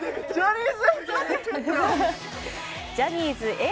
ジャニーズ、Ａぇ！